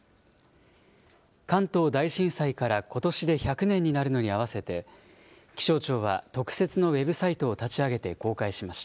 関東大震災から、ことしで１００年になるのに合わせて気象庁は特設のウェブサイトを立ち上げて公開しました。